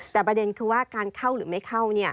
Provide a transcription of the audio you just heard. แต่ประเด็นคือว่าการเข้าหรือไม่เข้า